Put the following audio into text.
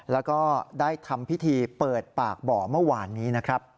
แล้วก็ได้ทำพิธีเปิดปากบ่อเมื่อวานนี้นะครับ